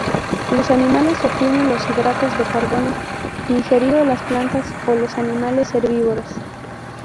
Los animales obtienen los hidratos de carbono ingiriendo las plantas o los animales herbívoros.